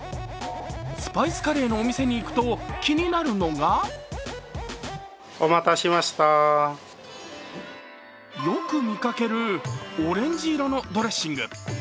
スパイスカレーのお店に行くと気になるのがよく見かけるオレンジ色のドレッシング。